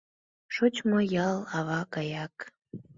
Шочмо ял ава гаяк.